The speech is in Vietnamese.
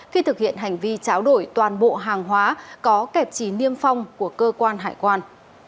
khi thực hiện hành vi cháo đổi toàn bộ hàng hóa có kẹp trì niêm phong của cơ quan hải quan